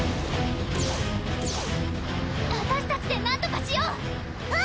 あたしたちでなんとかしよう！